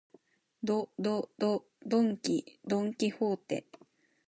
ど、ど、ど、ドンキ、ドンキホーテ